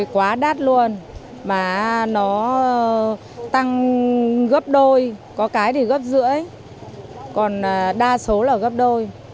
quá đắt luôn mà nó tăng gấp đôi có cái thì gấp rưỡi còn đa số là gấp đôi